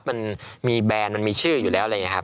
มันมีแบรนด์มันมีชื่ออยู่แล้วอะไรอย่างนี้ครับ